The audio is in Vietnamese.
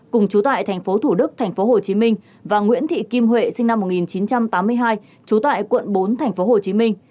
cùng chú tại tp thủ đức tp hcm và nguyễn thị kim huệ sinh năm một nghìn chín trăm tám mươi hai chú tại quận bốn tp hcm